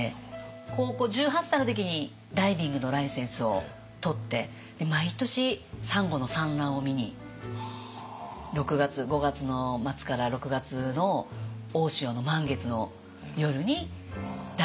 高校１８歳の時にダイビングのライセンスを取って毎年サンゴの産卵を見に５月の末から６月の大潮の満月の夜にダイビングをしに。